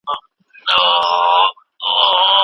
پخوانۍ دوه رنګي تر نننۍ هغې زياته وه.